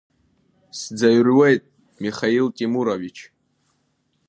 Сӡарҩуеит, Михаил Темурович.